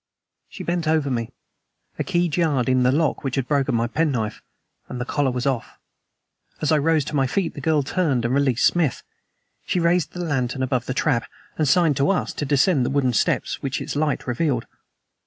She bent over me; a key jarred in the lock which had broken my penknife and the collar was off. As I rose to my feet the girl turned and released Smith. She raised the lantern above the trap, and signed to us to descend the wooden steps which its light revealed.